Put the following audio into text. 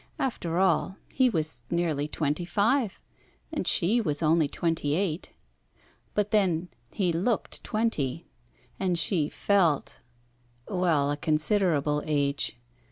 After all, he was nearly twenty five and she was only twenty eight, but then he looked twenty, and she felt well, a considerable age.